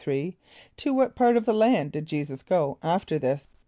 = To what part of the land did J[=e]´[s+]us go after this?